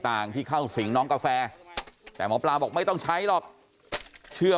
ต่างที่เข้าสิงน้องกาแฟแต่หมอปลาบอกไม่ต้องใช้หรอกเชื่อ